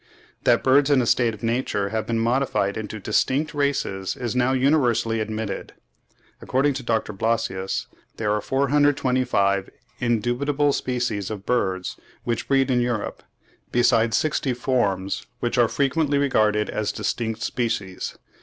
That birds in a state of nature have been modified into distinct races is now universally admitted. (33. According to Dr. Blasius ('Ibis,' vol. ii. 1860, p. 297), there are 425 indubitable species of birds which breed in Europe, besides sixty forms, which are frequently regarded as distinct species.